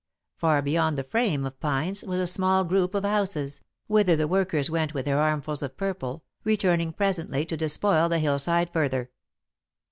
Far beyond the frame of pines was a small group of houses, whither the workers went with their armfuls of purple, returning presently to despoil the hillside further.